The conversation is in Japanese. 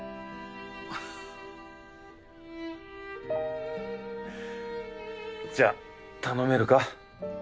ハハッ。じゃあ頼めるか？